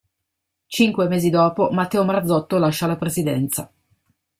Cinque mesi dopo, Matteo Marzotto lascia la presidenza.